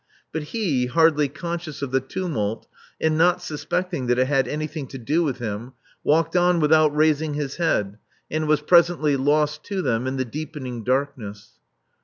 But he, hardly conscious of the tumult, and not suspecting that it had anything to do with him, walked on without raising his head, and was presently lost to them in the deepening dark ness.